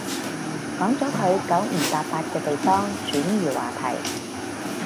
講咗佢九唔搭八嘅地方，轉移話題